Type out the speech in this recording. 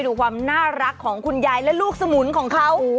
ดูความน่ารักของคุณยายและลูกสมุนของเขา